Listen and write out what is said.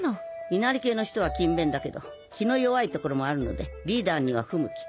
稲荷系の人は勤勉だけど気の弱いところもあるのでリーダーには不向き。